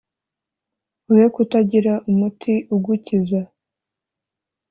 wowekutagira umuti ugukiza